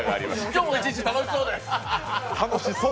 今日も一日楽しそうです！